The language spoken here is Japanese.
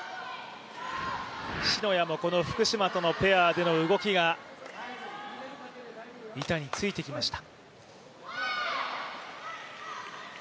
篠谷も福島との動きが板に付いてきました。